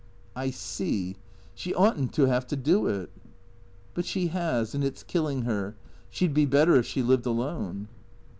" I see. She ought n't to have to do it." " But she has, and it 's killing her. She 'd be better if she lived alone."